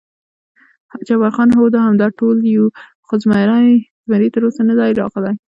جبار خان: هو، همدا ټول یو، خو زمري تراوسه نه دی راغلی.